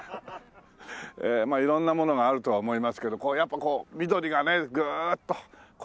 まあ色んなものがあるとは思いますけどやっぱこう緑がねグーッとこのねストロークが。